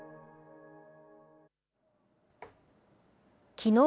きのう